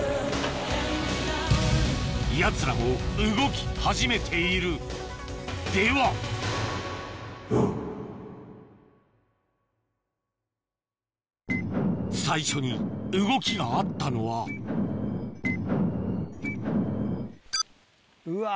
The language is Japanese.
やつらも動き始めているでは最初に動きがあったのはうわ